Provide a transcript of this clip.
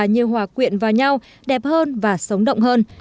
như hòa quyện vào nhau đẹp hơn và sống động hơn